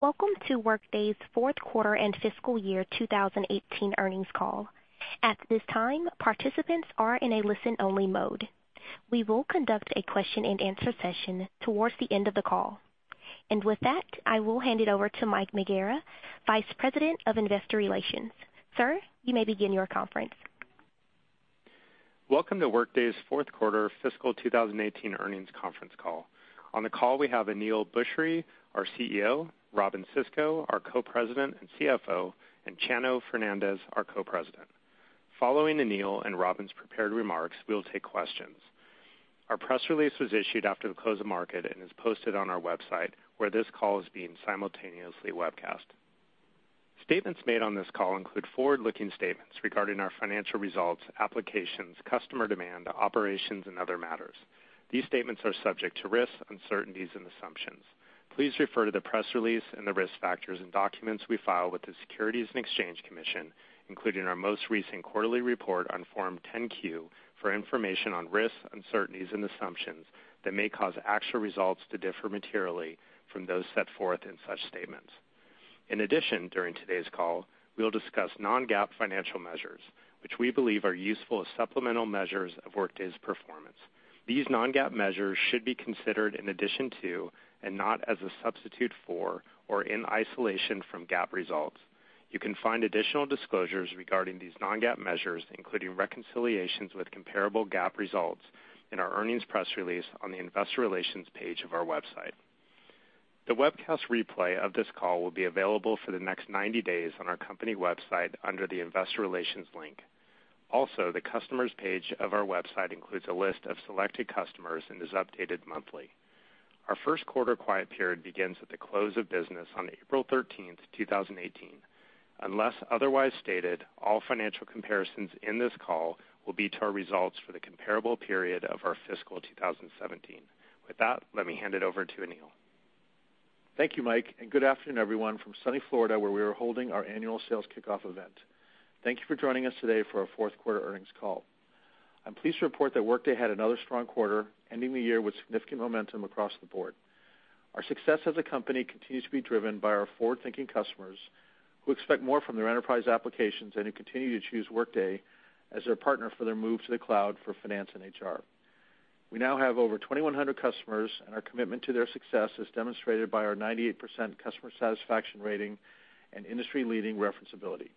Welcome to Workday's fourth quarter and fiscal year 2018 earnings call. At this time, participants are in a listen-only mode. We will conduct a question-and-answer session towards the end of the call. With that, I will hand it over to Mike Magaro, Vice President of Investor Relations. Sir, you may begin your conference. Welcome to Workday's fourth quarter fiscal 2018 earnings conference call. On the call we have Aneel Bhusri, our CEO, Robynne Sisco, our Co-President and CFO, and Chano Fernandez, our Co-President. Following Aneel and Robynne's prepared remarks, we will take questions. Our press release was issued after the close of market and is posted on our website, where this call is being simultaneously webcast. Statements made on this call include forward-looking statements regarding our financial results, applications, customer demand, operations, and other matters. These statements are subject to risks, uncertainties, and assumptions. Please refer to the press release and the risk factors and documents we file with the Securities and Exchange Commission, including our most recent quarterly report on Form 10-Q, for information on risks, uncertainties, and assumptions that may cause actual results to differ materially from those set forth in such statements. In addition, during today's call, we will discuss non-GAAP financial measures, which we believe are useful as supplemental measures of Workday's performance. These non-GAAP measures should be considered in addition to, and not as a substitute for, or in isolation from GAAP results. You can find additional disclosures regarding these non-GAAP measures, including reconciliations with comparable GAAP results, in our earnings press release on the investor relations page of our website. The webcast replay of this call will be available for the next 90 days on our company website under the investor relations link. Also, the customers page of our website includes a list of selected customers and is updated monthly. Our first quarter quiet period begins at the close of business on April 13th, 2018. Unless otherwise stated, all financial comparisons in this call will be to our results for the comparable period of our fiscal 2017. With that, let me hand it over to Aneel. Thank you, Mike, good afternoon, everyone, from sunny Florida, where we are holding our annual sales kickoff event. Thank you for joining us today for our fourth quarter earnings call. I'm pleased to report that Workday had another strong quarter, ending the year with significant momentum across the board. Our success as a company continues to be driven by our forward-thinking customers who expect more from their enterprise applications who continue to choose Workday as their partner for their move to the cloud for finance and HR. We now have over 2,100 customers, our commitment to their success is demonstrated by our 98% customer satisfaction rating and industry-leading reference ability.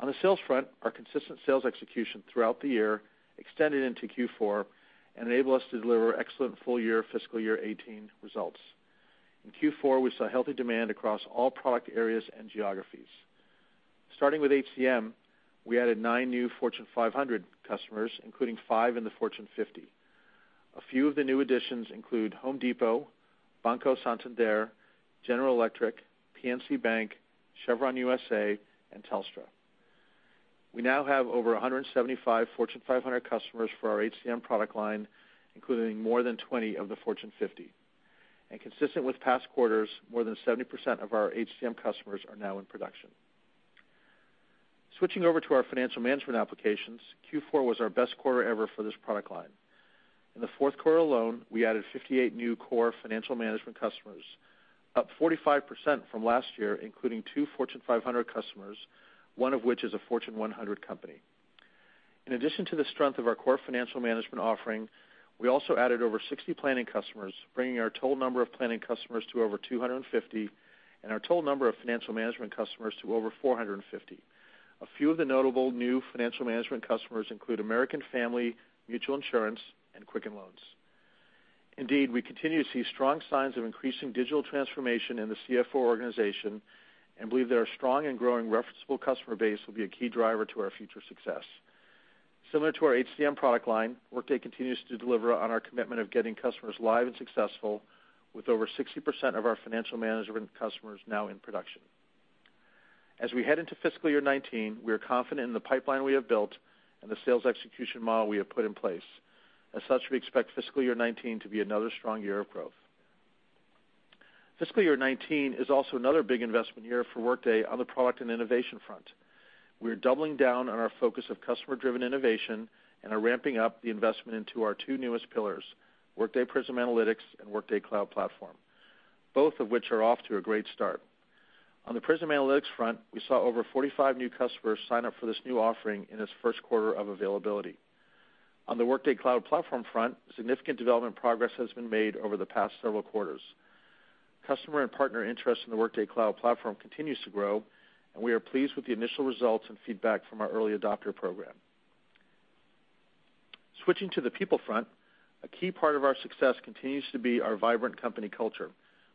On the sales front, our consistent sales execution throughout the year extended into Q4 and enabled us to deliver excellent full year fiscal year 2018 results. In Q4, we saw healthy demand across all product areas and geographies. Starting with HCM, we added nine new Fortune 500 customers, including five in the Fortune 50. A few of the new additions include The Home Depot, Banco Santander, General Electric, PNC Bank, Chevron U.S.A., and Telstra. We now have over 175 Fortune 500 customers for our HCM product line, including more than 20 of the Fortune 50. Consistent with past quarters, more than 70% of our HCM customers are now in production. Switching over to our financial management applications, Q4 was our best quarter ever for this product line. In the fourth quarter alone, we added 58 new core financial management customers, up 45% from last year, including two Fortune 500 customers, one of which is a Fortune 100 company. In addition to the strength of our core financial management offering, we also added over 60 planning customers, bringing our total number of planning customers to over 250 and our total number of financial management customers to over 450. A few of the notable new financial management customers include American Family Mutual Insurance and Quicken Loans. We continue to see strong signs of increasing digital transformation in the CFO organization and believe that our strong and growing referenceable customer base will be a key driver to our future success. Similar to our HCM product line, Workday continues to deliver on our commitment of getting customers live and successful with over 60% of our financial management customers now in production. As we head into fiscal year 2019, we are confident in the pipeline we have built and the sales execution model we have put in place. We expect fiscal year 2019 to be another strong year of growth. Fiscal year 2019 is also another big investment year for Workday on the product and innovation front. We are doubling down on our focus of customer-driven innovation and are ramping up the investment into our two newest pillars, Workday Prism Analytics and Workday Cloud Platform, both of which are off to a great start. On the Prism Analytics front, we saw over 45 new customers sign up for this new offering in its first quarter of availability. On the Workday Cloud Platform front, significant development progress has been made over the past several quarters. Customer and partner interest in the Workday Cloud Platform continues to grow, we are pleased with the initial results and feedback from our early adopter program. Switching to the people front, a key part of our success continues to be our vibrant company culture,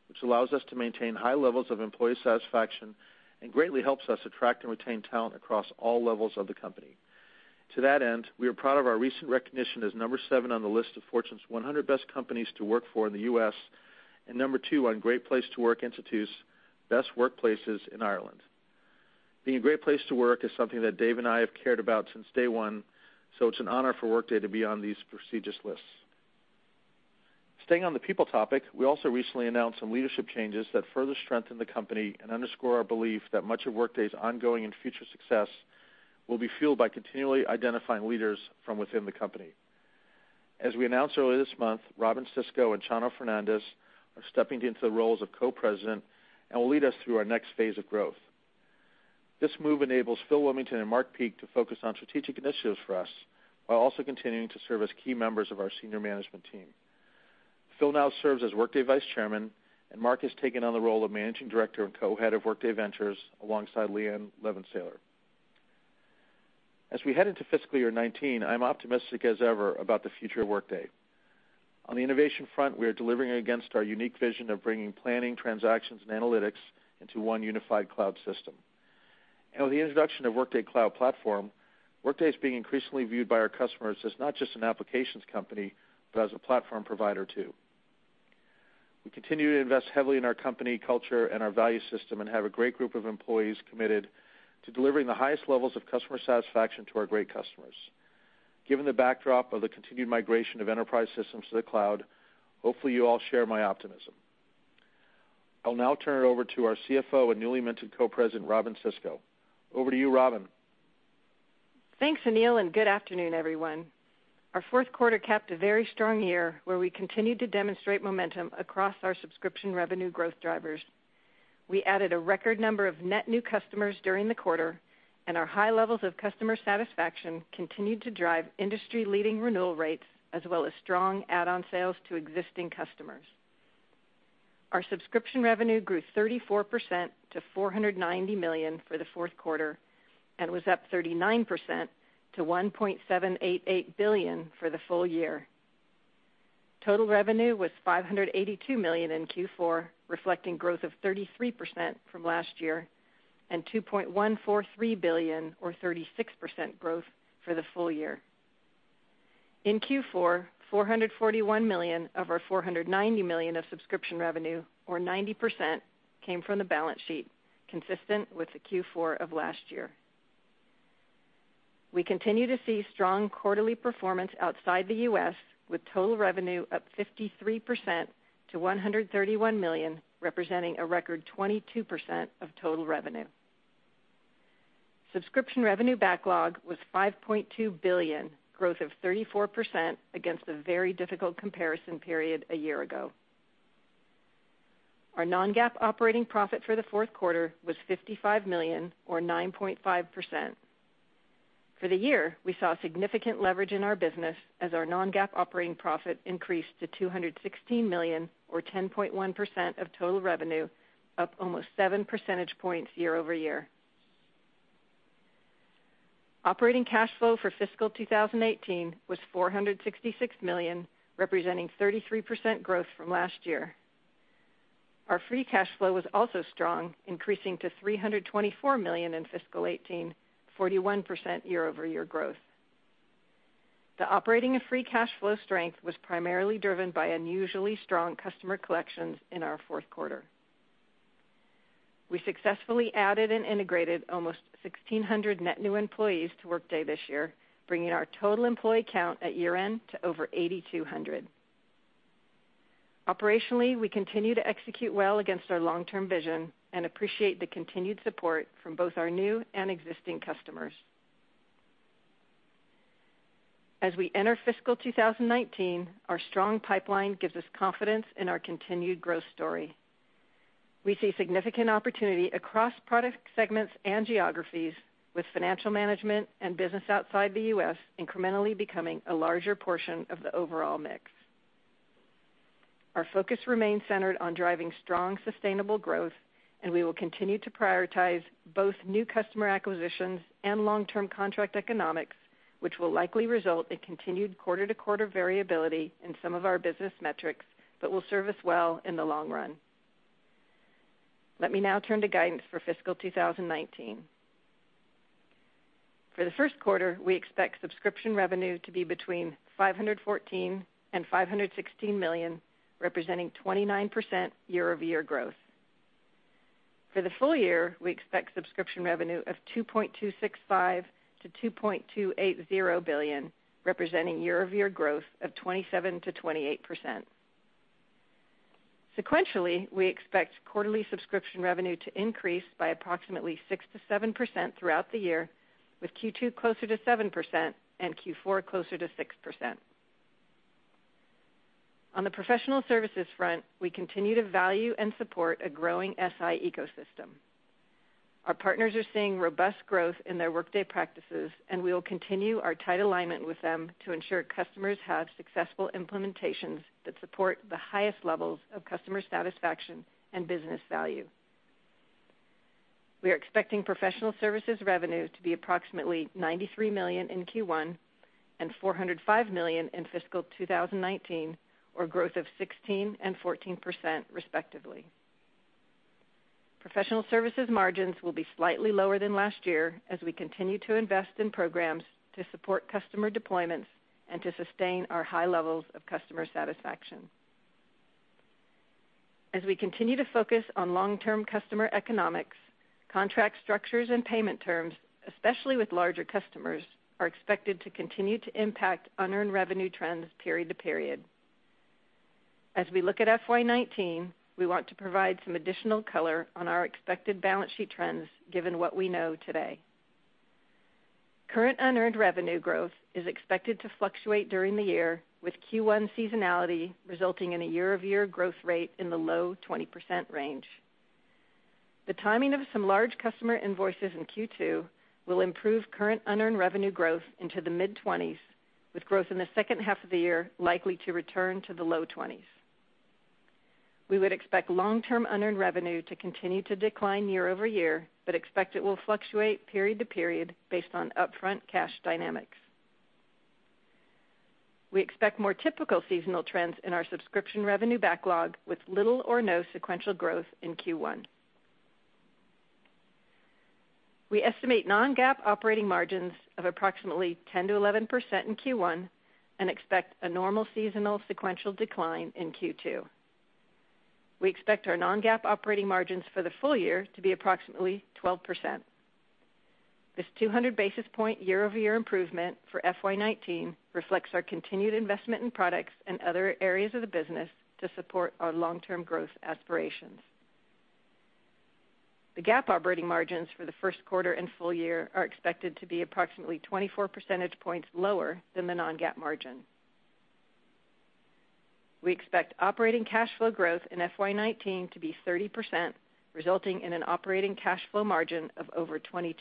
which allows us to maintain high levels of employee satisfaction and greatly helps us attract and retain talent across all levels of the company. To that end, we are proud of our recent recognition as number seven on the list of Fortune's 100 Best Companies to Work For in the U.S. and number two on Great Place to Work Institute's Best Workplaces in Ireland. Being a great place to work is something that Dave and I have cared about since day one, so it's an honor for Workday to be on these prestigious lists. Staying on the people topic, we also recently announced some leadership changes that further strengthen the company and underscore our belief that much of Workday's ongoing and future success will be fueled by continually identifying leaders from within the company. As we announced earlier this month, Robynne Sisco and Chano Fernandez are stepping into the roles of co-president and will lead us through our next phase of growth. This move enables Phil Wilmington and Mark Peek to focus on strategic initiatives for us, while also continuing to serve as key members of our senior management team. Phil now serves as Workday Vice Chairman, and Mark has taken on the role of managing director and co-head of Workday Ventures alongside Leighanne Levensaler. As we head into fiscal year 2019, I'm optimistic as ever about the future of Workday. On the innovation front, we are delivering against our unique vision of bringing planning, transactions, and analytics into one unified cloud system. With the introduction of Workday Cloud Platform, Workday's being increasingly viewed by our customers as not just an applications company, but as a platform provider, too. We continue to invest heavily in our company culture and our value system and have a great group of employees committed to delivering the highest levels of customer satisfaction to our great customers. Given the backdrop of the continued migration of enterprise systems to the cloud, hopefully you all share my optimism. I'll now turn it over to our CFO and newly minted co-president, Robynne Sisco. Over to you, Robynne. Thanks, Aneel. Good afternoon, everyone. Our fourth quarter capped a very strong year where we continued to demonstrate momentum across our subscription revenue growth drivers. We added a record number of net new customers during the quarter, and our high levels of customer satisfaction continued to drive industry-leading renewal rates as well as strong add-on sales to existing customers. Our subscription revenue grew 34% to $490 million for the fourth quarter and was up 39% to $1.788 billion for the full year. Total revenue was $582 million in Q4, reflecting growth of 33% from last year, and $2.143 billion or 36% growth for the full year. In Q4, $441 million of our $490 million of subscription revenue, or 90%, came from the balance sheet, consistent with the Q4 of last year. We continue to see strong quarterly performance outside the U.S., with total revenue up 53% to $131 million, representing a record 22% of total revenue. Subscription revenue backlog was $5.2 billion, growth of 34% against a very difficult comparison period a year ago. Our non-GAAP operating profit for the fourth quarter was $55 million or 9.5%. For the year, we saw significant leverage in our business as our non-GAAP operating profit increased to $216 million or 10.1% of total revenue, up almost seven percentage points year-over-year. Operating cash flow for fiscal 2018 was $466 million, representing 33% growth from last year. Our free cash flow was also strong, increasing to $324 million in fiscal 2018, 41% year-over-year growth. The operating and free cash flow strength was primarily driven by unusually strong customer collections in our fourth quarter. We successfully added and integrated almost 1,600 net new employees to Workday this year, bringing our total employee count at year-end to over 8,200. Operationally, we continue to execute well against our long-term vision and appreciate the continued support from both our new and existing customers. As we enter fiscal 2019, our strong pipeline gives us confidence in our continued growth story. We see significant opportunity across product segments and geographies, with financial management and business outside the U.S. incrementally becoming a larger portion of the overall mix. Our focus remains centered on driving strong, sustainable growth, and we will continue to prioritize both new customer acquisitions and long-term contract economics, which will likely result in continued quarter-to-quarter variability in some of our business metrics but will serve us well in the long run. Let me now turn to guidance for fiscal 2019. For the first quarter, we expect subscription revenue to be between $514 million and $516 million, representing 29% year-over-year growth. For the full year, we expect subscription revenue of $2.265 billion to $2.280 billion, representing year-over-year growth of 27%-28%. Sequentially, we expect quarterly subscription revenue to increase by approximately 6%-7% throughout the year, with Q2 closer to 7% and Q4 closer to 6%. On the professional services front, we continue to value and support a growing SI ecosystem. Our partners are seeing robust growth in their Workday practices, and we will continue our tight alignment with them to ensure customers have successful implementations that support the highest levels of customer satisfaction and business value. We are expecting professional services revenue to be approximately $93 million in Q1 and $405 million in fiscal 2019, or growth of 16% and 14%, respectively. Professional services margins will be slightly lower than last year as we continue to invest in programs to support customer deployments and to sustain our high levels of customer satisfaction. As we continue to focus on long-term customer economics, contract structures and payment terms, especially with larger customers, are expected to continue to impact unearned revenue trends period to period. As we look at FY 2019, we want to provide some additional color on our expected balance sheet trends, given what we know today. Current unearned revenue growth is expected to fluctuate during the year, with Q1 seasonality resulting in a year-over-year growth rate in the low 20% range. The timing of some large customer invoices in Q2 will improve current unearned revenue growth into the mid-20s, with growth in the second half of the year likely to return to the low 20s. We would expect long-term unearned revenue to continue to decline year-over-year, but expect it will fluctuate period to period based on upfront cash dynamics. We expect more typical seasonal trends in our subscription revenue backlog, with little or no sequential growth in Q1. We estimate non-GAAP operating margins of approximately 10%-11% in Q1 and expect a normal seasonal sequential decline in Q2. We expect our non-GAAP operating margins for the full year to be approximately 12%. This 200 basis point year-over-year improvement for FY 2019 reflects our continued investment in products and other areas of the business to support our long-term growth aspirations. The GAAP operating margins for the first quarter and full year are expected to be approximately 24 percentage points lower than the non-GAAP margin. We expect operating cash flow growth in FY 2019 to be 30%, resulting in an operating cash flow margin of over 22%.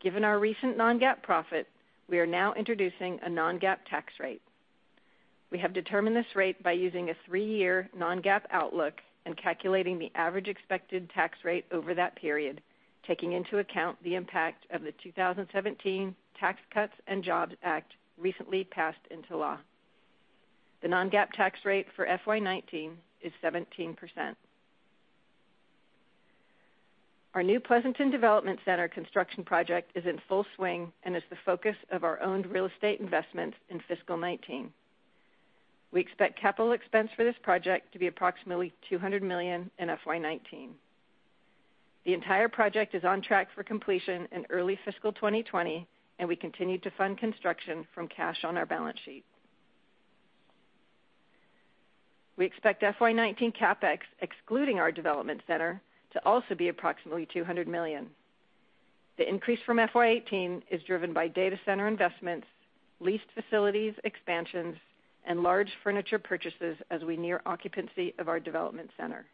Given our recent non-GAAP profit, we are now introducing a non-GAAP tax rate. We have determined this rate by using a three-year non-GAAP outlook and calculating the average expected tax rate over that period, taking into account the impact of the 2017 Tax Cuts and Jobs Act recently passed into law. The non-GAAP tax rate for FY 2019 is 17%. Our new Pleasanton Development Center construction project is in full swing and is the focus of our owned real estate investments in fiscal 2019. We expect capital expense for this project to be approximately $200 million in FY 2019. The entire project is on track for completion in early fiscal 2020, and we continue to fund construction from cash on our balance sheet. We expect FY 2019 CapEx, excluding our development center, to also be approximately $200 million. The increase from FY 2018 is driven by data center investments, leased facilities expansions, and large furniture purchases as we near occupancy of our development center.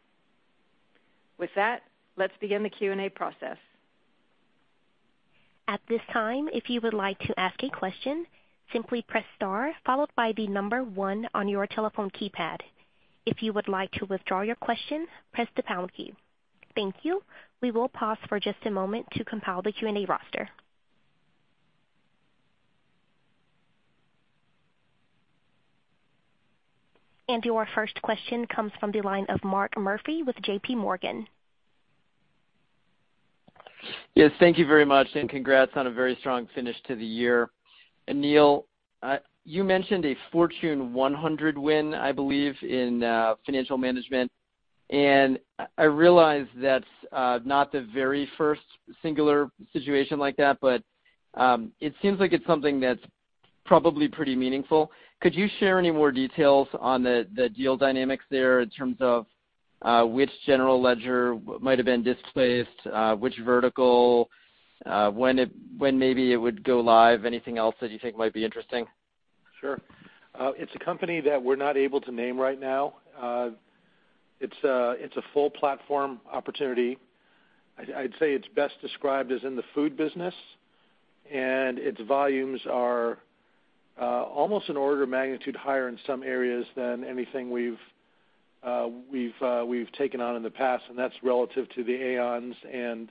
With that, let's begin the Q&A process. At this time, if you would like to ask a question, simply press star followed by the number 1 on your telephone keypad. If you would like to withdraw your question, press the pound key. Thank you. We will pause for just a moment to compile the Q&A roster. Your first question comes from the line of Mark Murphy with JPMorgan. Yes, thank you very much, and congrats on a very strong finish to the year. Aneel, you mentioned a Fortune 100 win, I believe, in financial management, and I realize that's not the very first singular situation like that, but it seems like it's something that's probably pretty meaningful. Could you share any more details on the deal dynamics there in terms of which general ledger might have been displaced, which vertical, when maybe it would go live, anything else that you think might be interesting? Sure. It's a company that we're not able to name right now. It's a full platform opportunity. I'd say it's best described as in the food business, and its volumes are almost an order of magnitude higher in some areas than anything we've taken on in the past, and that's relative to the Aon and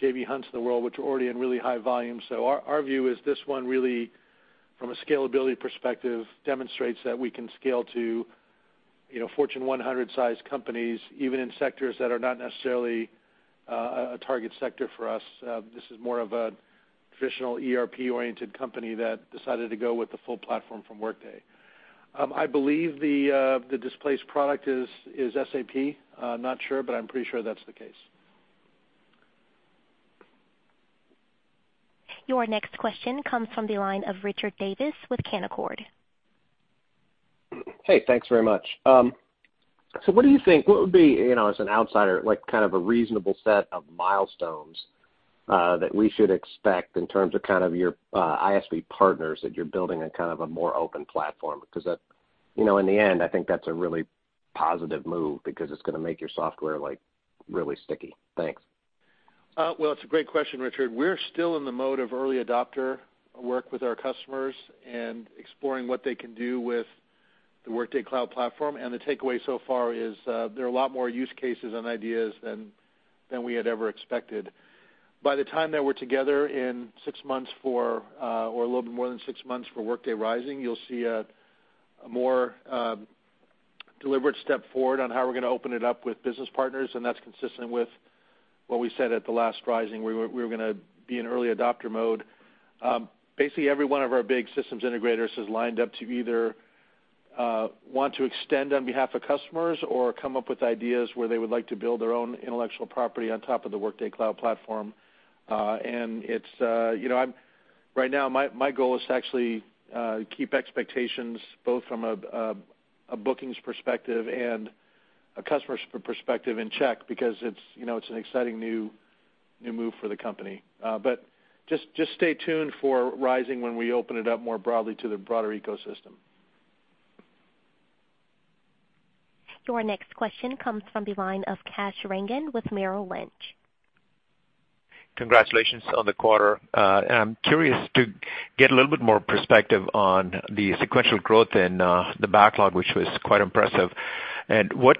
J.B. Hunt of the world, which are already in really high volume. Our view is this one really, from a scalability perspective, demonstrates that we can scale to Fortune 100-sized companies, even in sectors that are not necessarily a target sector for us. This is more of a traditional ERP-oriented company that decided to go with the full platform from Workday. I believe the displaced product is SAP. Not sure, but I'm pretty sure that's the case. Your next question comes from the line of Richard Davis with Canaccord. Hey, thanks very much. What do you think would be, as an outsider, a reasonable set of milestones that we should expect in terms of your ISV partners that you're building a more open platform? In the end, I think that's a really positive move because it's going to make your software really sticky. Thanks. Well, it's a great question, Richard. We're still in the mode of early adopter work with our customers and exploring what they can do with the Workday Cloud Platform. The takeaway so far is there are a lot more use cases and ideas than we had ever expected. By the time that we're together in six months or a little bit more than six months for Workday Rising, you'll see a more deliberate step forward on how we're going to open it up with business partners, that's consistent with what we said at the last Rising, we were going to be in early adopter mode. Basically, every one of our big systems integrators is lined up to either want to extend on behalf of customers or come up with ideas where they would like to build their own intellectual property on top of the Workday Cloud Platform. And I'm right now, my goal is to actually keep expectations, both from a bookings perspective and a customer perspective in check, because it's an exciting new move for the company. Just stay tuned for Rising when we open it up more broadly to the broader ecosystem. Your next question comes from the line of Kash Rangan with Merrill Lynch. Congratulations on the quarter. I'm curious to get a little bit more perspective on the sequential growth and the backlog, which was quite impressive. What,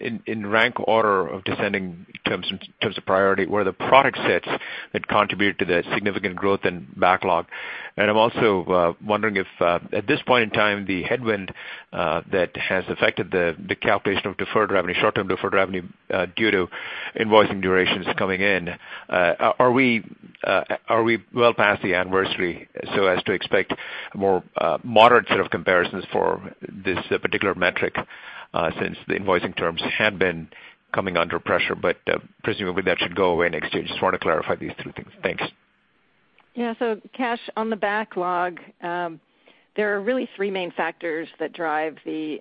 in rank order of descending in terms of priority, were the product sets that contributed to the significant growth in backlog? I'm also wondering if at this point in time, the headwind that has affected the calculation of short-term deferred revenue due to invoicing durations coming in, are we well past the anniversary so as to expect a more moderate set of comparisons for this particular metric, since the invoicing terms had been coming under pressure, but presumably that should go away next year. Just want to clarify these two things. Thanks. Kash, on the backlog, there are really three main factors that drive the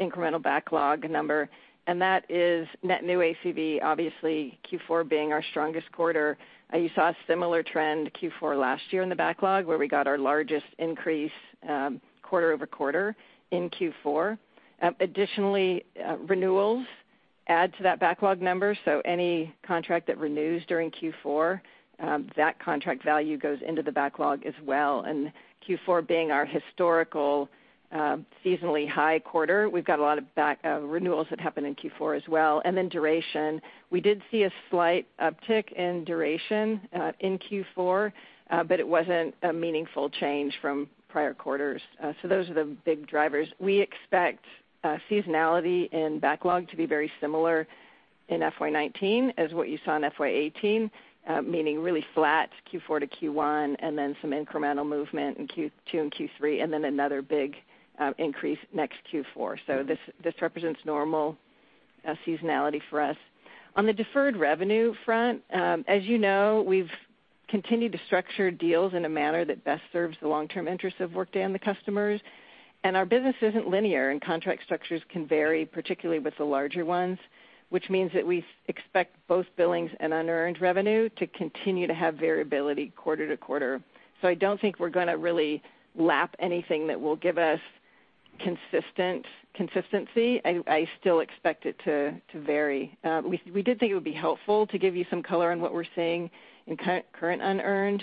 incremental backlog number, that is net new ACV, obviously Q4 being our strongest quarter. You saw a similar trend Q4 last year in the backlog, where we got our largest increase quarter-over-quarter in Q4. Additionally, renewals add to that backlog number. Any contract that renews during Q4, that contract value goes into the backlog as well. Q4 being our historical seasonally high quarter, we've got a lot of renewals that happen in Q4 as well. Then duration. We did see a slight uptick in duration in Q4, but it wasn't a meaningful change from prior quarters. Those are the big drivers. We expect seasonality and backlog to be very similar in FY 2019 as what you saw in FY 2018, meaning really flat Q4 to Q1, then some incremental movement in Q2 and Q3, then another big increase next Q4. This represents normal seasonality for us. On the deferred revenue front, as you know, we've continued to structure deals in a manner that best serves the long-term interests of Workday and the customers. Our business isn't linear, and contract structures can vary, particularly with the larger ones, which means that we expect both billings and unearned revenue to continue to have variability quarter-to-quarter. I don't think we're going to really lap anything that will give us consistency. I still expect it to vary. We did think it would be helpful to give you some color on what we're seeing in current unearned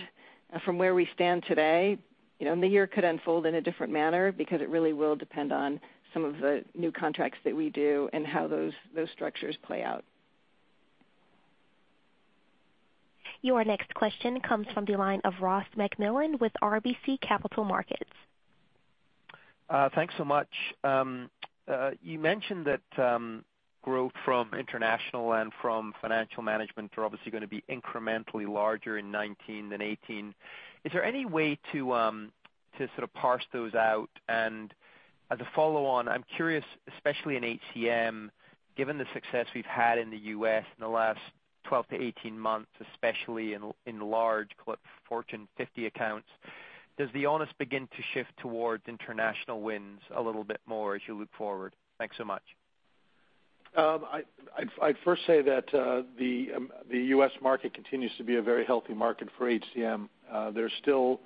from where we stand today. The year could unfold in a different manner because it really will depend on some of the new contracts that we do and how those structures play out. Your next question comes from the line of Ross MacMillan with RBC Capital Markets. Thanks so much. You mentioned that growth from international and from Workday Financial Management are obviously going to be incrementally larger in 2019 than 2018. Is there any way to sort of parse those out? As a follow-on, I'm curious, especially in HCM, given the success we've had in the U.S. in the last 12-18 months, especially in large Fortune 50 accounts, does the onus begin to shift towards international wins a little bit more as you look forward? Thanks so much. I'd first say that the U.S. market continues to be a very healthy market for HCM. There's still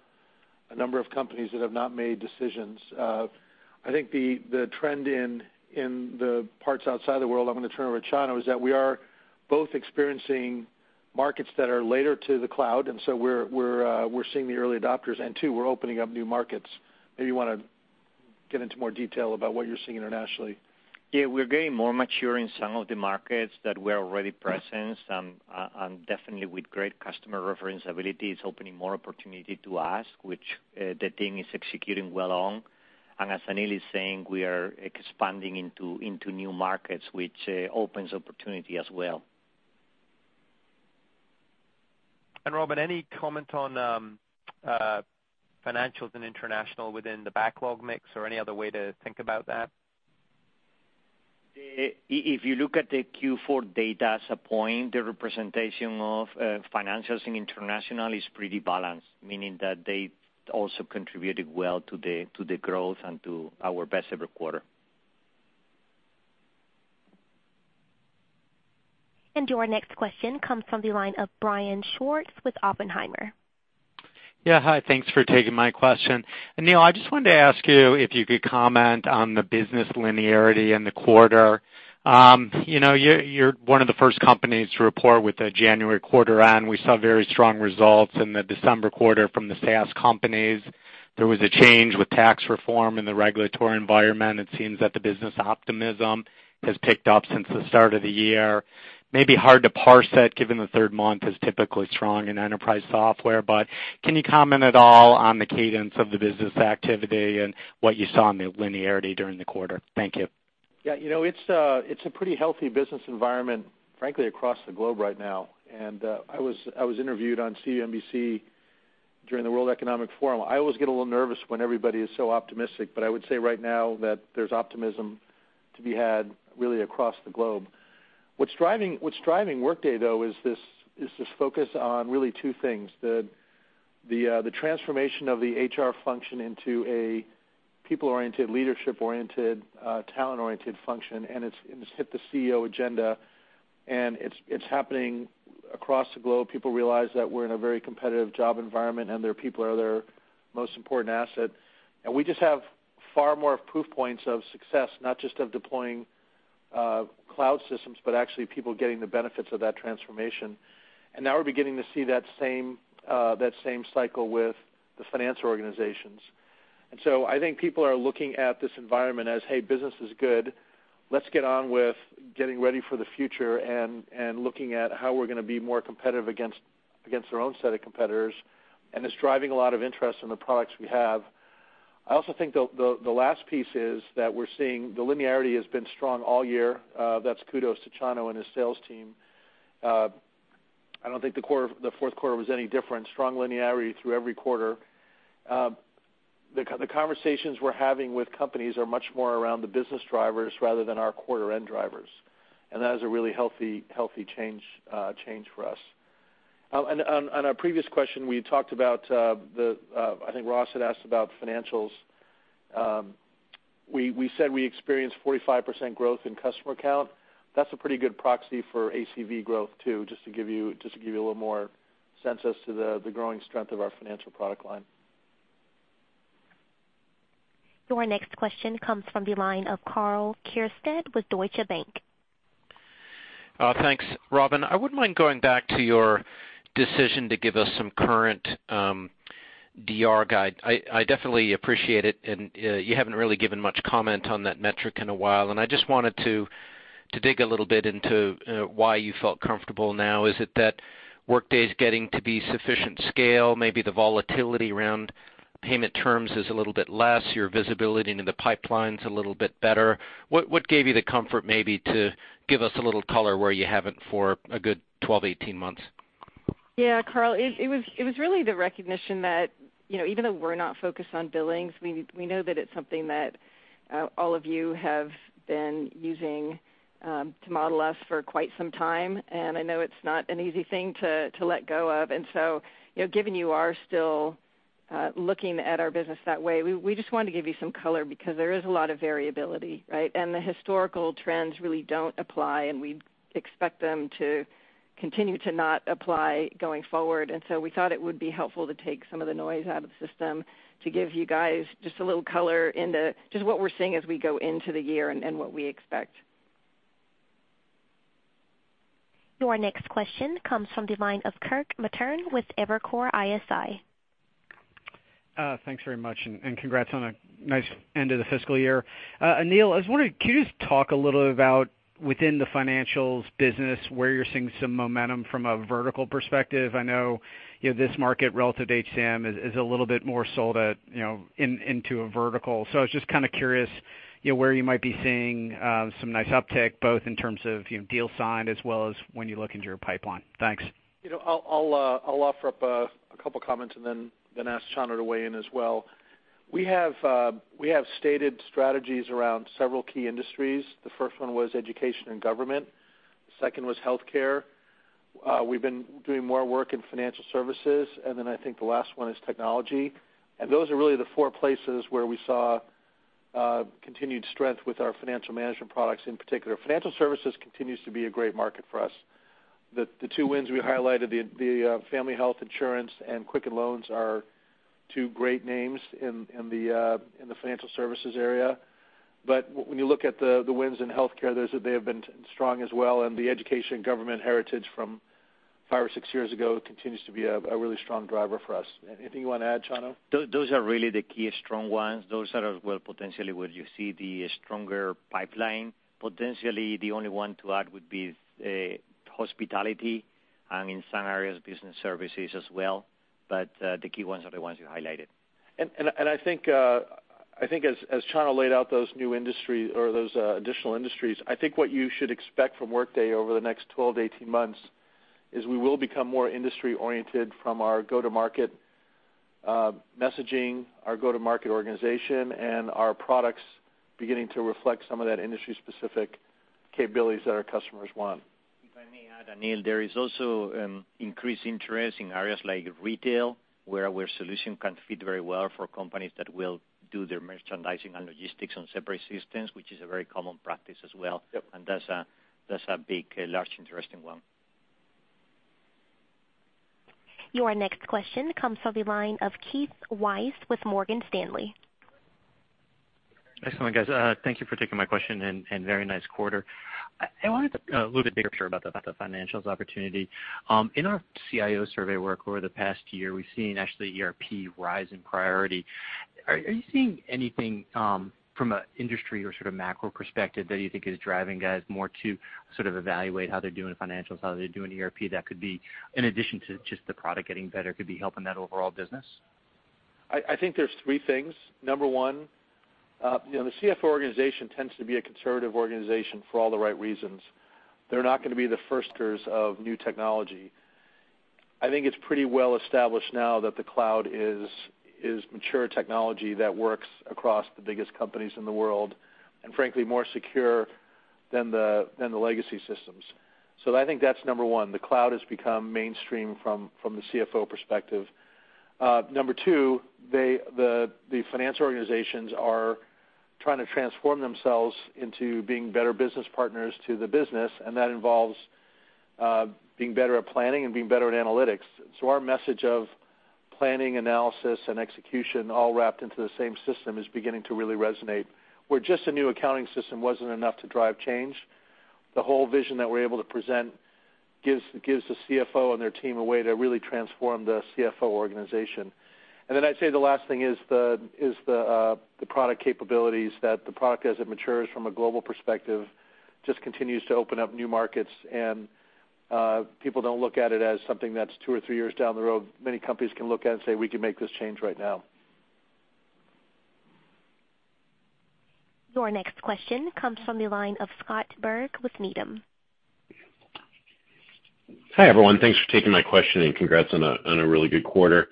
a number of companies that have not made decisions. I think the trend in the parts outside of the world, I'm going to turn over to Chano, is that we are both experiencing markets that are later to the cloud, we're seeing the early adopters, we're opening up new markets. Maybe you want to get into more detail about what you're seeing internationally. Yeah, we're getting more mature in some of the markets that we're already present, and definitely with great customer reference ability is opening more opportunity to us, which the team is executing well on. As Aneel is saying, we are expanding into new markets, which opens opportunity as well. Robynne, any comment on financials and international within the backlog mix or any other way to think about that? If you look at the Q4 data as a point, the representation of financials in international is pretty balanced, meaning that they also contributed well to the growth and to our best-ever quarter. Your next question comes from the line of Brian Schwartz with Oppenheimer. Yeah. Hi, thanks for taking my question. Aneel, I just wanted to ask you if you could comment on the business linearity in the quarter. You're one of the first companies to report with the January quarter on. We saw very strong results in the December quarter from the SaaS companies. There was a change with tax reform in the regulatory environment. It seems that the business optimism has picked up since the start of the year. Maybe hard to parse that given the third month is typically strong in enterprise software, but can you comment at all on the cadence of the business activity and what you saw in the linearity during the quarter? Thank you. Yeah. It's a pretty healthy business environment, frankly, across the globe right now. I was interviewed on CNBC during the World Economic Forum. I always get a little nervous when everybody is so optimistic, I would say right now that there's optimism to be had really across the globe. What's driving Workday, though, is this focus on really two things. The transformation of the HR function into a people-oriented, leadership-oriented, talent-oriented function, it's hit the CEO agenda, it's happening across the globe. People realize that we're in a very competitive job environment, their people are their most important asset. We just have far more proof points of success, not just of deploying cloud systems, but actually people getting the benefits of that transformation. Now we're beginning to see that same cycle with the financial organizations. I think people are looking at this environment as, hey, business is good. Let's get on with getting ready for the future and looking at how we're going to be more competitive against our own set of competitors. It's driving a lot of interest in the products we have. I also think the last piece is that we're seeing the linearity has been strong all year. That's kudos to Chano and his sales team. I don't think the fourth quarter was any different. Strong linearity through every quarter. The conversations we're having with companies are much more around the business drivers rather than our quarter end drivers, that is a really healthy change for us. On our previous question, we talked about, I think Ross had asked about financials. We said we experienced 45% growth in customer count. That's a pretty good proxy for ACV growth, too, just to give you a little more sense to the growing strength of our financial product line. Your next question comes from the line of Karl Keirstead with Deutsche Bank. Thanks, Robynne. I wouldn't mind going back to your decision to give us some current DR guide. I definitely appreciate it. You haven't really given much comment on that metric in a while. I just wanted to dig a little bit into why you felt comfortable now. Is it that Workday is getting to be sufficient scale? Maybe the volatility around payment terms is a little bit less, your visibility into the pipeline's a little bit better. What gave you the comfort, maybe, to give us a little color where you haven't for a good 12, 18 months? Yeah, Karl. It was really the recognition that, even though we're not focused on billings, we know that it's something that all of you have been using to model us for quite some time. I know it's not an easy thing to let go of. Given you are still looking at our business that way, we just wanted to give you some color because there is a lot of variability, right? The historical trends really don't apply. We expect them to continue to not apply going forward. We thought it would be helpful to take some of the noise out of the system to give you guys just a little color into just what we're seeing as we go into the year and what we expect. Your next question comes from the line of Kirk Materne with Evercore ISI. Thanks very much. Congrats on a nice end of the fiscal year. Aneel, I was wondering, could you just talk a little about within the financials business, where you're seeing some momentum from a vertical perspective? I know this market relative to HCM is a little bit more sold into a vertical. I was just kind of curious where you might be seeing some nice uptick, both in terms of deal signed as well as when you look into your pipeline. Thanks. I'll offer up a couple comments and then ask Chano to weigh in as well. We have stated strategies around several key industries. The first one was education and government. The second was healthcare. We've been doing more work in financial services. I think the last one is technology. Those are really the four places where we saw continued strength with our financial management products, in particular. Financial services continues to be a great market for us. The two wins we highlighted, American Family Mutual Insurance and Quicken Loans, are two great names in the financial services area. When you look at the wins in healthcare, they have been strong as well, and the education and government heritage from five or six years ago continues to be a really strong driver for us. Anything you want to add, Chano? Those are really the key strong ones. Those are as well potentially where you see the stronger pipeline. Potentially, the only one to add would be hospitality, and in some areas, business services as well. The key ones are the ones you highlighted. I think as Chano laid out those new industries or those additional industries, I think what you should expect from Workday over the next 12 to 18 months is we will become more industry-oriented from our go-to-market messaging, our go-to-market organization, and our products beginning to reflect some of that industry-specific capabilities that our customers want. If I may add, Aneel, there is also increased interest in areas like retail, where our solution can fit very well for companies that will do their merchandising and logistics on separate systems, which is a very common practice as well. Yep. That's a big, large interesting one. Your next question comes from the line of Keith Weiss with Morgan Stanley. Excellent, guys. Thank you for taking my question, and very nice quarter. A little bit bigger picture about the financials opportunity. In our CIO survey work over the past year, we've seen actually ERP rise in priority. Are you seeing anything from an industry or sort of macro perspective that you think is driving guys more to sort of evaluate how they're doing financials, how they're doing ERP that could be in addition to just the product getting better, could be helping that overall business? I think there's three things. Number one, the CFO organization tends to be a conservative organization for all the right reasons. They're not going to be the firsters of new technology. I think it's pretty well established now that the cloud is mature technology that works across the biggest companies in the world, and frankly, more secure than the legacy systems. I think that's number one. The cloud has become mainstream from the CFO perspective. Number two, the finance organizations are trying to transform themselves into being better business partners to the business, and that involves being better at planning and being better at analytics. Our message of planning, analysis, and execution all wrapped into the same system is beginning to really resonate. Where just a new accounting system wasn't enough to drive change, the whole vision that we're able to present gives the CFO and their team a way to really transform the CFO organization. I'd say the last thing is the product capabilities. The product, as it matures from a global perspective, just continues to open up new markets, and people don't look at it as something that's two or three years down the road. Many companies can look at it and say, "We can make this change right now. Your next question comes from the line of Scott Berg with Needham. Hi, everyone. Thanks for taking my question, congrats on a really good quarter.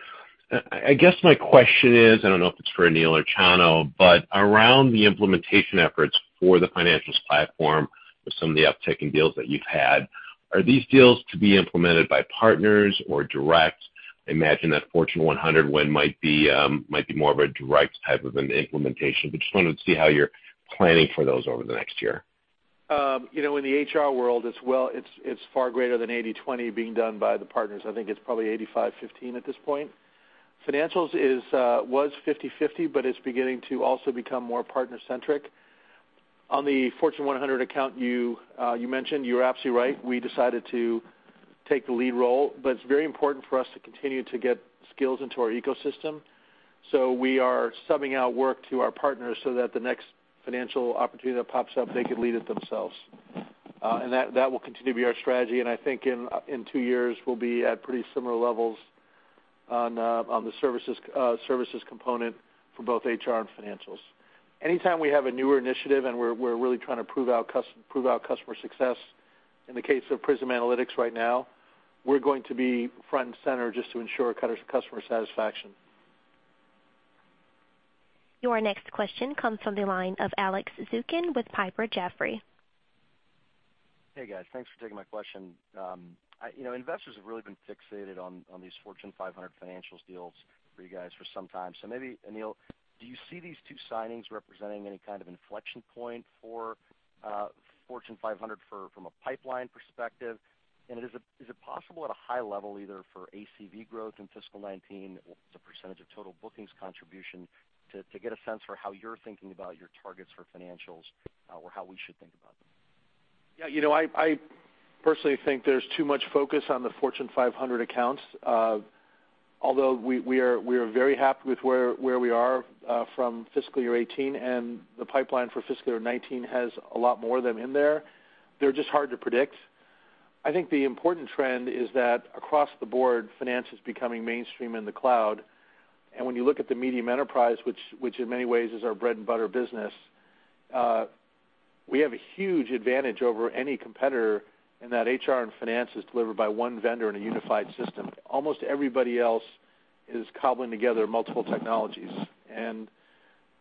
I guess my question is, I don't know if it's for Aneel or Chano, around the implementation efforts for the financials platform with some of the uptaking deals that you've had, are these deals to be implemented by partners or direct? I imagine that Fortune 100 win might be more of a direct type of an implementation, just wanted to see how you're planning for those over the next year. In the HR world as well, it's far greater than 80/20 being done by the partners. I think it's probably 85/15 at this point. Financials was 50/50, it's beginning to also become more partner-centric. On the Fortune 100 account you mentioned, you're absolutely right. We decided to take the lead role. It's very important for us to continue to get skills into our ecosystem. We are subbing out work to our partners so that the next financial opportunity that pops up, they can lead it themselves. That will continue to be our strategy, I think in two years, we'll be at pretty similar levels on the services component for both HR and financials. Anytime we have a newer initiative, and we're really trying to prove our customer success, in the case of Workday Prism Analytics right now, we're going to be front and center just to ensure customer satisfaction. Your next question comes from the line of Alex Zukin with Piper Jaffray. Hey, guys. Thanks for taking my question. Investors have really been fixated on these Fortune 500 financials deals for you guys for some time. Maybe, Aneel, do you see these two signings representing any kind of inflection point for Fortune 500 from a pipeline perspective? Is it possible at a high level, either for ACV growth in fiscal 2019 or as a percentage of total bookings contribution to get a sense for how you're thinking about your targets for financials or how we should think about them? Yeah. I personally think there's too much focus on the Fortune 500 accounts. Although we are very happy with where we are from fiscal year 2018, the pipeline for fiscal year 2019 has a lot more of them in there. They're just hard to predict. I think the important trend is that across the board, finance is becoming mainstream in the cloud. When you look at the medium enterprise, which in many ways is our bread and butter business, we have a huge advantage over any competitor in that HR and finance is delivered by one vendor in a unified system. Almost everybody else is cobbling together multiple technologies.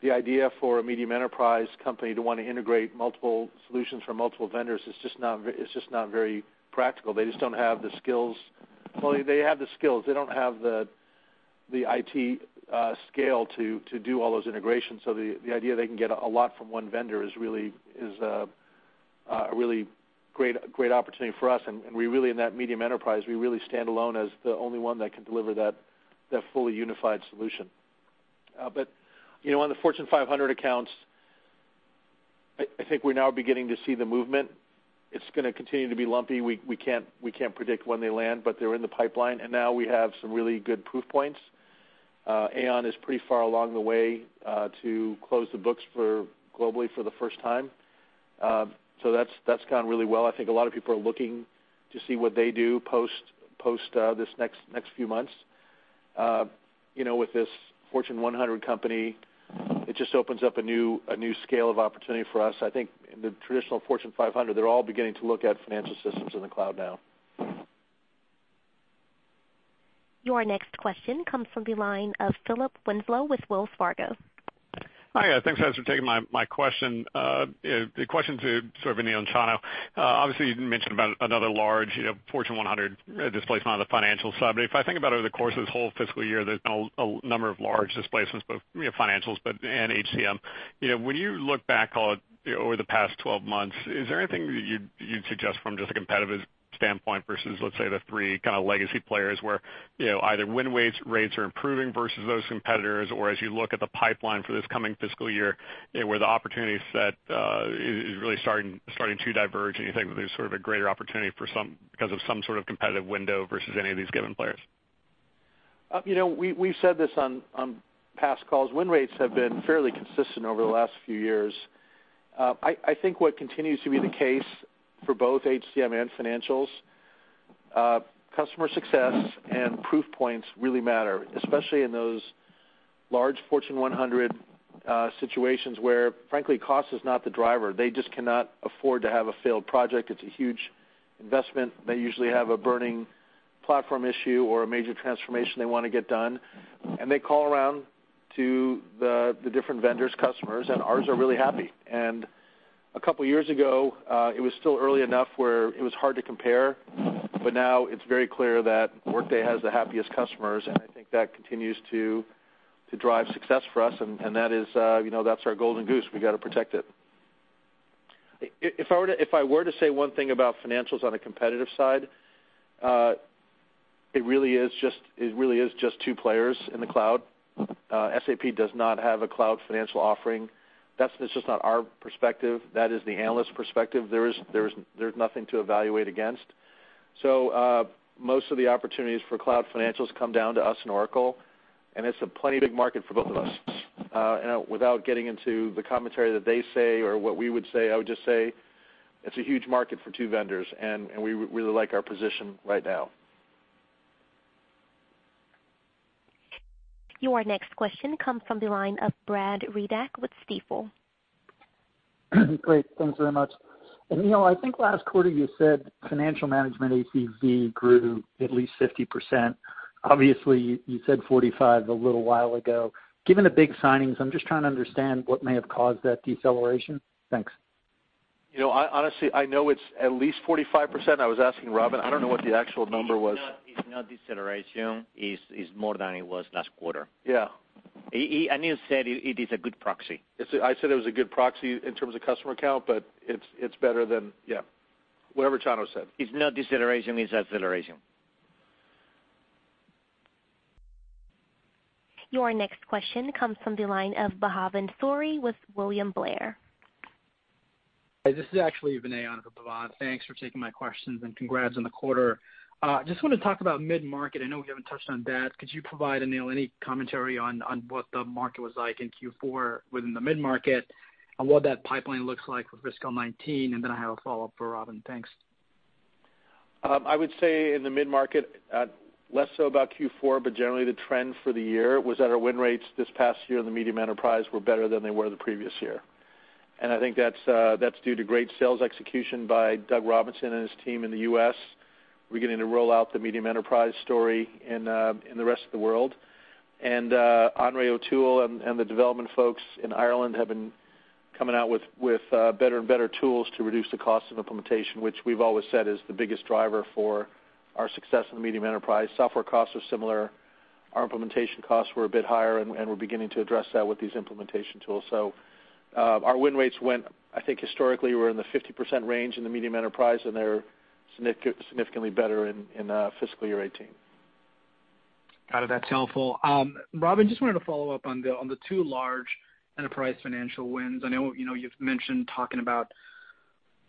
The idea for a medium enterprise company to want to integrate multiple solutions from multiple vendors is just not very practical. They just don't have the skills. Well, they have the skills. The idea they can get a lot from one vendor is a really great opportunity for us, and we really, in that medium enterprise, we really stand alone as the only one that can deliver that fully unified solution. On the Fortune 500 accounts, I think we're now beginning to see the movement. It's going to continue to be lumpy. We can't predict when they land, but they're in the pipeline, and now we have some really good proof points. Aon is pretty far along the way to close the books globally for the first time. That's gone really well. I think a lot of people are looking to see what they do post this next few months. With this Fortune 100 company, it just opens up a new scale of opportunity for us. I think in the traditional Fortune 500, they're all beginning to look at financial systems in the cloud now. Your next question comes from the line of Philip Winslow with Wells Fargo. Hi. Thanks, guys, for taking my question. The question to sort of Aneel and Chano. Obviously, you mentioned about another large Fortune 100 displacement on the financial side. If I think about over the course of this whole fiscal year, there's been a number of large displacements, both financials and HCM. When you look back over the past 12 months, is there anything that you'd suggest from just a competitive standpoint versus, let's say, the three kind of legacy players where either win rates are improving versus those competitors, or as you look at the pipeline for this coming fiscal year, where the opportunity set is really starting to diverge, and you think that there's sort of a greater opportunity because of some sort of competitive window versus any of these given players? We've said this on past calls. Win rates have been fairly consistent over the last few years. I think what continues to be the case for both HCM and financials, customer success and proof points really matter, especially in those Large Fortune 100 situations where, frankly, cost is not the driver. They just cannot afford to have a failed project. It's a huge investment. They usually have a burning platform issue or a major transformation they want to get done, they call around to the different vendors, customers, and ours are really happy. A couple of years ago, it was still early enough where it was hard to compare, but now it's very clear that Workday has the happiest customers, I think that continues to drive success for us. That's our golden goose. We've got to protect it. If I were to say one thing about financials on a competitive side, it really is just two players in the cloud. SAP does not have a cloud financial offering. That's just not our perspective. That is the analyst perspective. There's nothing to evaluate against. Most of the opportunities for cloud financials come down to us and Oracle, it's a plenty big market for both of us. Without getting into the commentary that they say or what we would say, I would just say it's a huge market for two vendors, we really like our position right now. Your next question comes from the line of Brad Reback with Stifel. Great. Thanks very much. Aneel, I think last quarter you said financial management ACV grew at least 50%. Obviously, you said 45% a little while ago. Given the big signings, I'm just trying to understand what may have caused that deceleration. Thanks. Honestly, I know it's at least 45%. I was asking Robynne. I don't know what the actual number was. It's not deceleration. It's more than it was last quarter. Yeah. Aneel said it is a good proxy. I said it was a good proxy in terms of customer count. It's better than, yeah, whatever Chano said. It's not deceleration, it's acceleration. Your next question comes from the line of Bhavan Suri with William Blair. Hi, this is actually Vinay on behalf of Bhavan. Thanks for taking my questions and congrats on the quarter. I just want to talk about mid-market. I know we haven't touched on that. Could you provide, Aneel, any commentary on what the market was like in Q4 within the mid-market and what that pipeline looks like for fiscal 2019? Then I have a follow-up for Robynne. Thanks. I would say in the mid-market, less so about Q4, but generally the trend for the year was that our win rates this past year in the medium enterprise were better than they were the previous year. I think that's due to great sales execution by Doug Robinson and his team in the U.S. We're beginning to roll out the medium enterprise story in the rest of the world. Annrai O'Toole and the development folks in Ireland have been coming out with better and better tools to reduce the cost of implementation, which we've always said is the biggest driver for our success in the medium enterprise. Software costs are similar. Our implementation costs were a bit higher, and we're beginning to address that with these implementation tools. Our win rates went, I think historically we're in the 50% range in the medium enterprise. They're significantly better in fiscal year 2018. Got it. That's helpful. Robynne, just wanted to follow up on the two large enterprise financial wins. I know you've mentioned talking about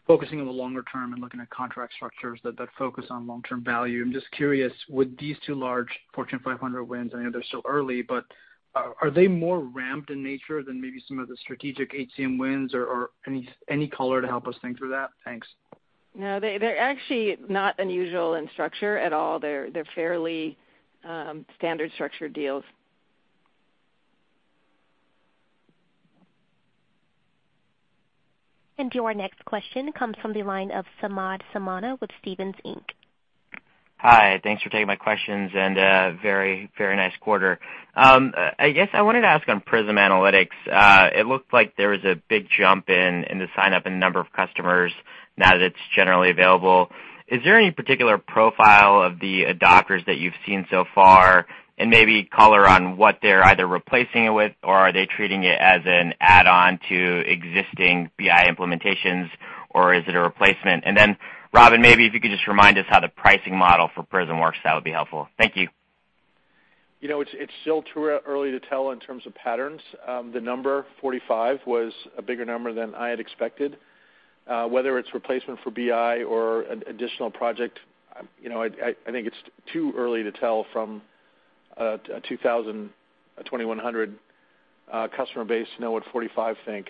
focusing on the longer term and looking at contract structures that focus on long-term value. I'm just curious, would these two large Fortune 500 wins, I know they're still early, but are they more ramped in nature than maybe some of the strategic HCM wins or any color to help us think through that? Thanks. No, they're actually not unusual in structure at all. They're fairly standard structured deals. Your next question comes from the line of Samad Samana with Stephens, Inc. Hi. Thanks for taking my questions and very nice quarter. I guess I wanted to ask on Prism Analytics. It looked like there was a big jump in the sign-up and number of customers now that it's generally available. Is there any particular profile of the adopters that you've seen so far? Maybe color on what they're either replacing it with, or are they treating it as an add-on to existing BI implementations, or is it a replacement? Robynne, maybe if you could just remind us how the pricing model for Prism works, that would be helpful. Thank you. It's still too early to tell in terms of patterns. The number 45 was a bigger number than I had expected. Whether it's replacement for BI or an additional project, I think it's too early to tell from a 2,000, 2,100 customer base to know what 45 think.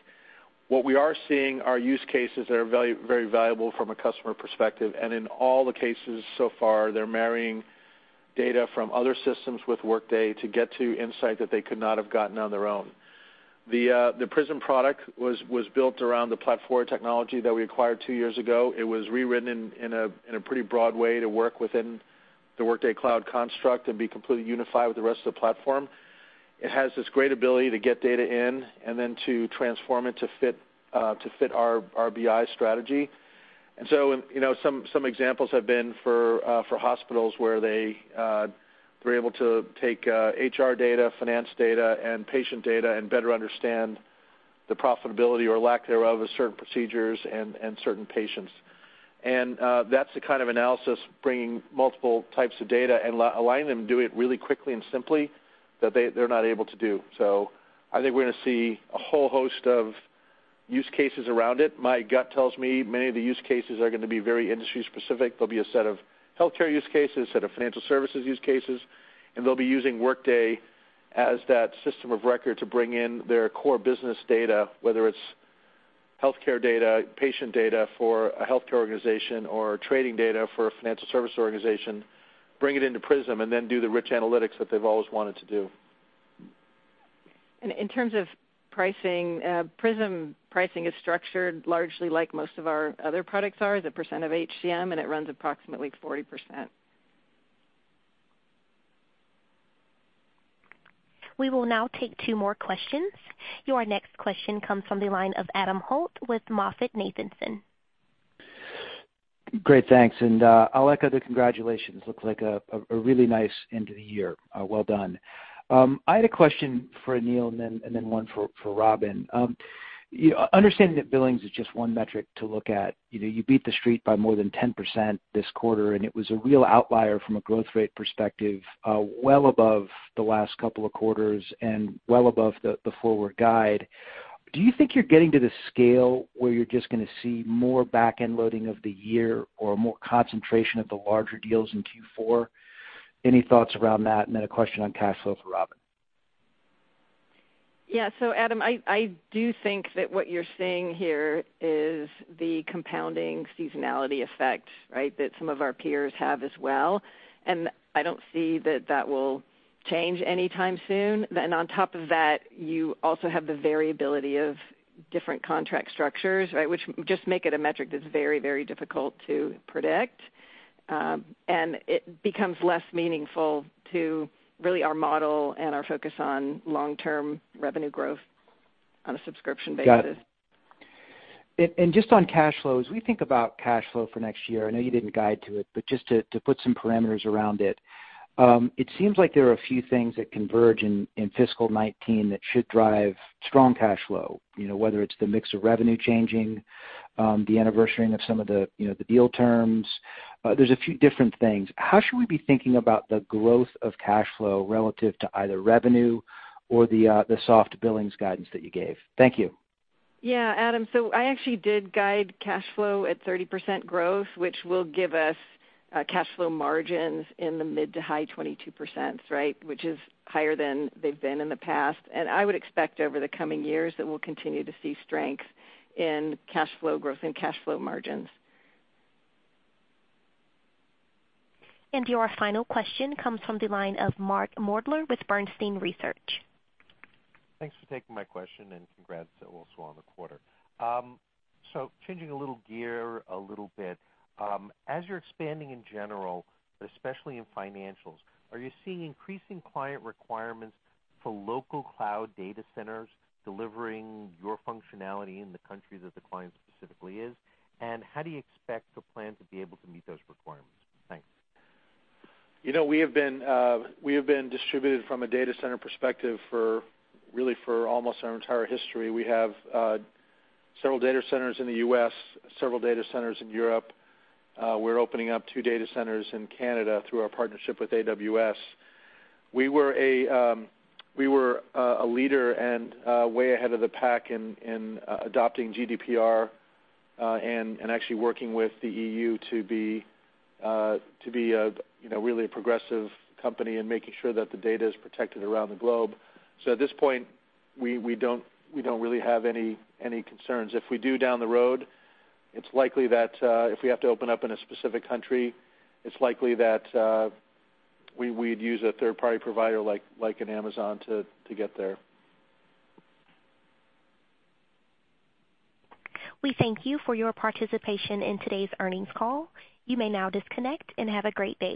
What we are seeing are use cases that are very valuable from a customer perspective, and in all the cases so far, they're marrying data from other systems with Workday to get to insight that they could not have gotten on their own. The Prism product was built around the Platfora technology that we acquired two years ago. It was rewritten in a pretty broad way to work within the Workday cloud construct and be completely unified with the rest of the platform. It has this great ability to get data in and then to transform it to fit our BI strategy. Some examples have been for hospitals where they were able to take HR data, finance data, and patient data and better understand the profitability or lack thereof of certain procedures and certain patients. That's the kind of analysis, bringing multiple types of data and aligning them and doing it really quickly and simply, that they're not able to do. I think we're going to see a whole host of use cases around it. My gut tells me many of the use cases are going to be very industry-specific. There'll be a set of healthcare use cases, set of financial services use cases, and they'll be using Workday as that system of record to bring in their core business data, whether it's Healthcare data, patient data for a healthcare organization, or trading data for a financial service organization, bring it into Prism, and then do the rich analytics that they've always wanted to do. In terms of pricing, Prism pricing is structured largely like most of our other products are, as a percent of HCM, and it runs approximately 40%. We will now take two more questions. Your next question comes from the line of Adam Holt with MoffettNathanson. Great, thanks. I'll echo the congratulations. Looks like a really nice end to the year. Well done. I had a question for Aneel and then one for Robynne. Understanding that billings is just one metric to look at. You beat the street by more than 10% this quarter, and it was a real outlier from a growth rate perspective, well above the last couple of quarters and well above the forward guide. Do you think you're getting to the scale where you're just going to see more back-end loading of the year or more concentration of the larger deals in Q4? Any thoughts around that? Then a question on cash flow for Robynne. Yeah. Adam, I do think that what you're seeing here is the compounding seasonality effect that some of our peers have as well. I don't see that that will change anytime soon. On top of that, you also have the variability of different contract structures, which just make it a metric that's very, very difficult to predict. It becomes less meaningful to really our model and our focus on long-term revenue growth on a subscription basis. Got it. Just on cash flows, we think about cash flow for next year. I know you didn't guide to it, but just to put some parameters around it. It seems like there are a few things that converge in fiscal 2019 that should drive strong cash flow. Whether it's the mix of revenue changing, the anniversarying of some of the deal terms. There's a few different things. How should we be thinking about the growth of cash flow relative to either revenue or the soft billings guidance that you gave? Thank you. Yeah, Adam. I actually did guide cash flow at 30% growth, which will give us cash flow margins in the mid to high 22%, which is higher than they've been in the past. I would expect over the coming years that we'll continue to see strength in cash flow growth and cash flow margins. Your final question comes from the line of Mark Moerdler with Bernstein Research. Thanks for taking my question, and congrats also on the quarter. Changing a little gear a little bit. As you're expanding in general, but especially in financials, are you seeing increasing client requirements for local cloud data centers delivering your functionality in the country that the client specifically is? How do you expect or plan to be able to meet those requirements? Thanks. We have been distributed from a data center perspective really for almost our entire history. We have several data centers in the U.S., several data centers in Europe. We're opening up two data centers in Canada through our partnership with AWS. We were a leader and way ahead of the pack in adopting GDPR and actually working with the EU to be a really progressive company and making sure that the data is protected around the globe. At this point, we don't really have any concerns. If we do down the road, if we have to open up in a specific country, it's likely that we'd use a third-party provider like an Amazon to get there. We thank you for your participation in today's earnings call. You may now disconnect. Have a great day.